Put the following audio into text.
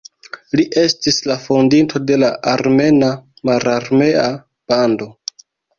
Li estis la fondinto de la "Armena Mararmea Bando".